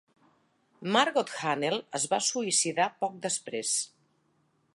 Margot Hanel es va suïcidar poc després.